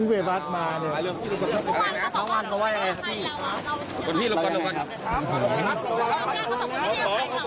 ค่อยให้สัมภาษณ์นะสำหรับการแผนนะครับ